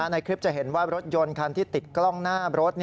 ในคลิปจะเห็นว่ารถยนต์คันที่ติดกล้องหน้ารถ